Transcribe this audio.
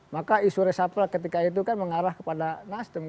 maka isu resapel ketika itu kan mengarah kepada nasdem